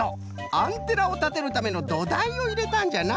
アンテナをたてるためのどだいをいれたんじゃな。